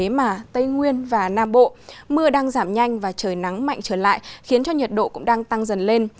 mà tây nguyên và nam bộ mưa đang giảm nhanh và trời nắng mạnh trở lại khiến cho nhiệt độ cũng đang tăng dần lên